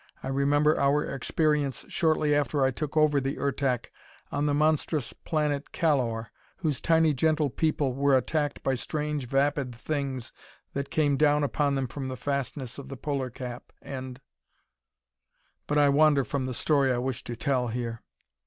I remember our experience, shortly after I took over the Ertak, on the monstrous planet Callor, whose tiny, gentle people were attacked by strange, vapid Things that come down upon them from the fastness of the polar cap, and But I wander from the story I wish to tell here.